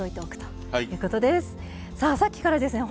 さあさっきからですね